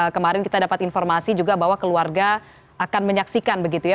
kemarin kita dapat informasi juga bahwa keluarga akan menyaksikan begitu ya